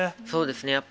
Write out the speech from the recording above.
そうですね。